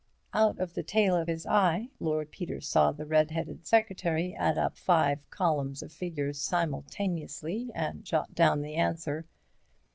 Out of the tail of his eye, Lord Peter saw the red headed secretary add up five columns of figures simultaneously and jot down the answer.